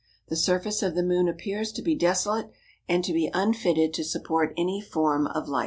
The surface of the moon appears to be desolate and to be unfitted to support any form of life.